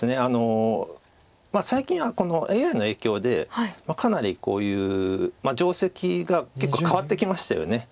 最近はＡＩの影響でかなりこういう定石が結構変わってきましたよね。